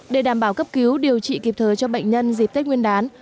để đảm bảo cấp cứu điều trị kịp thời cho bệnh nhân dịp tết nguyên đán